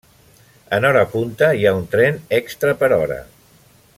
En hora punta hi ha un tren extra per hora.